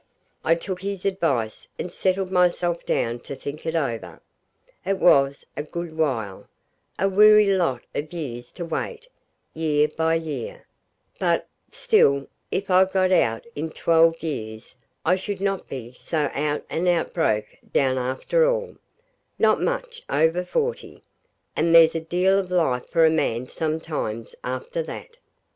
I took his advice, and settled myself down to think it over. It was a good while a weary lot of years to wait, year by year but, still, if I got out in twelve years I should not be so out and out broke down after all not much over forty, and there's a deal of life for a man sometimes after that.